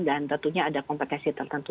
dan tentunya ada kompetensi tertentu